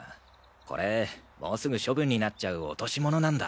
これもうすぐ処分になっちゃう落とし物なんだ。